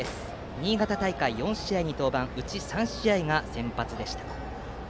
新潟大会４試合に登板うち３試合が先発でした。